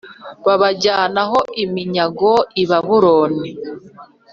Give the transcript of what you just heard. babajyanaho iminyago i Babuloni